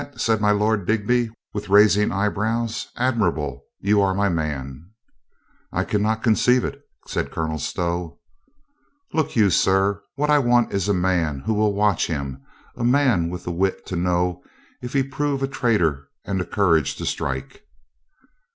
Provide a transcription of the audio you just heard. said my Lord Digby, with 350 COLONEL GREATHEART rising eyebrows. "Admirable. You are my man." "I can not conceive it," said Colonel Stow. "Look you, sir, what I want is a man who will watch him, a man with the wit to know if he prove a traitor and the courage to strike."